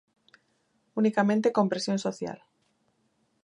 Unicamente con presión social.